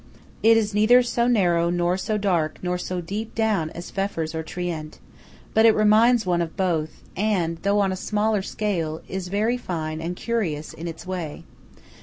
It is neither so narrow, nor so dark, nor so deep down as Pfeffers or Trient; but it reminds one of both, and, though on a smaller scale, is very fine and curious in its way.